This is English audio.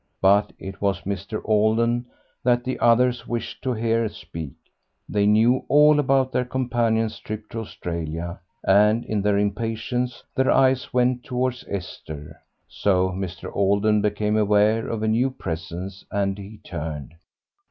But it was Mr. Alden that the others wished to hear speak; they knew all about their companion's trip to Australia, and in their impatience their eyes went towards Esther. So Mr. Alden became aware of a new presence, and he turned.